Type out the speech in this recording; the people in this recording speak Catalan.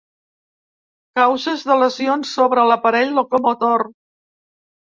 Causes de lesions sobre l’aparell locomotor.